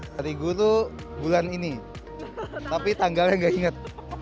hari guru itu bulan ini tapi tanggalnya gak inget